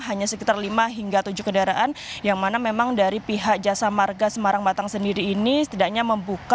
hanya sekitar lima hingga tujuh kendaraan yang mana memang dari pihak jasa marga semarang batang sendiri ini setidaknya membuka